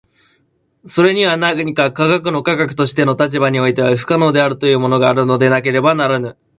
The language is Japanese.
それには何か科学の科学としての立場においては不可能であるというものがあるのでなければならぬ。